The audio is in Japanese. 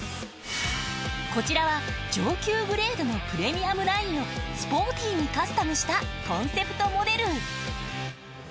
こちらは上級グレードのプレミアムラインをスポーティーにカスタムしたコンセプトモデル